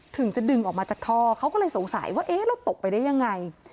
ถึงจะดึงออกมาจากท่อเขาก็เลยสงสัยว่าเอ๊ะเราตกไปได้ยังไง